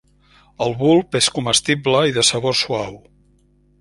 El bulb és comestible i de sabor suau.